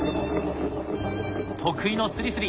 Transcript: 得意のスリスリ！